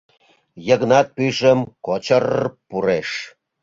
— Йыгнат пӱйжым кочыр-р пуреш.